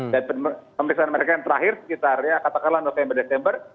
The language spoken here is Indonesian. dan pemeriksaan mereka yang terakhir sekitarnya katakanlah november desember